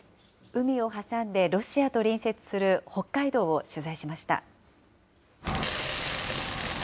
海を挟んでロシアと隣接する北海道を取材しました。